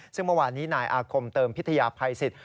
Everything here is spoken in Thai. ซึ่งเมื่อวานนี้นายอาคมเติมพิทยาภัยสิทธิ